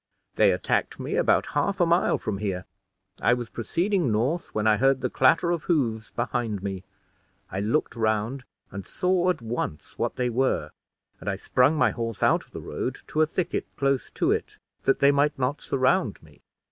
They attacked me about half a mile from here. I was proceeding north when I heard the clatter of hoofs behind me; I looked round and saw at once what they were, and I sprung my horse out of the road to a thicket close to it, that they might not surround me.